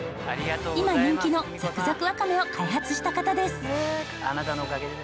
今人気のザクザクわかめを開発した方です。